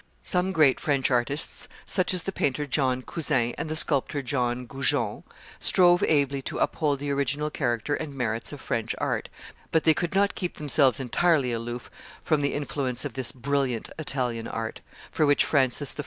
Some great French artists, such as the painter John Cousin and the sculptor John Goujon, strove ably to uphold the original character and merits of French art; but they could not keep themselves entirely aloof from the influence of this brilliant Italian art, for which Francis I.